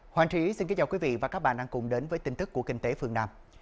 hoàng trí xin kính chào quý vị và các bạn đang cùng đến với tin tức của kinh tế phương nam